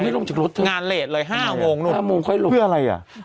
ไม่ลงจากรถเลยงานเรทเลย๕โมงถึงนี่ลงจากรถ